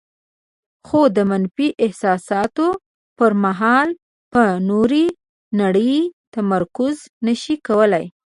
خو د منفي احساساتو پر مهال په نورې نړۍ تمرکز نشي کولای.